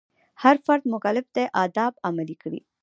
هر فرد مکلف دی آداب عملي کړي.